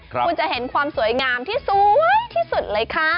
คุณจะเห็นความสวยงามที่สวยที่สุดเลยค่ะ